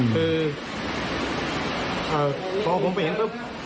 คือพอผมเห็นปุ๊บ